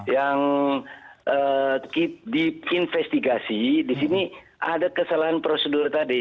yang diinvestigasi di sini ada kesalahan prosedur tadi